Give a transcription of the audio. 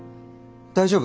大丈夫？